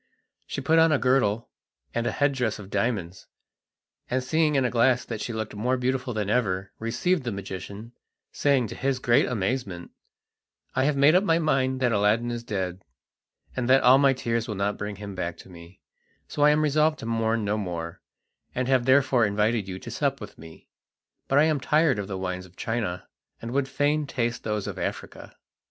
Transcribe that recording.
She put on a girdle and head dress of diamonds, and seeing in a glass that she looked more beautiful than ever, received the magician, saying to his great amazement: "I have made up my mind that Aladdin is dead, and that all my tears will not bring him back to me, so I am resolved to mourn no more, and have therefore invited you to sup with me; but I am tired of the wines of China, and would fain taste those of Africa."